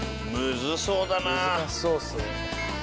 難しそうっすね。